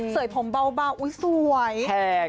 เศยผมเบาสวยแพง